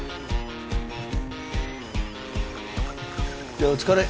じゃあお疲れ。